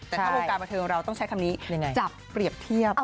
แต่ถ้าวงการบันเทิงเราต้องใช้คำนี้จับเปรียบเทียบ